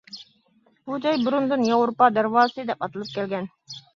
بۇ جاي بۇرۇندىن «ياۋروپا دەرۋازىسى» دەپ ئاتىلىپ كەلگەن.